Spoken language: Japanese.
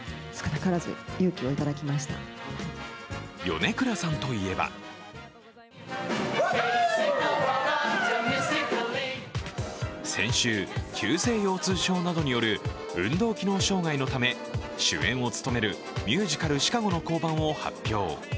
米倉さんといえば先週、急性腰痛症などによる運動機能障害のため主演を務めるミュージカル「ＣＨＩＣＡＧＯ」の降板を発表。